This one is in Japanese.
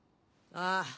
ああ。